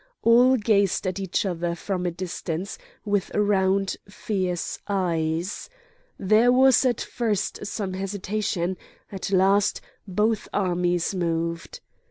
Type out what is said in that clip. All gazed at each other from a distance, with round fierce eyes. There was at first some hesitation; at last both armies moved.